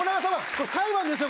これ裁判ですよ